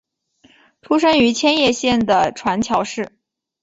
出身于千叶县船桥市。